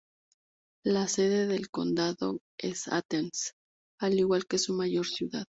La sede del condado es Athens, al igual que su mayor ciudad.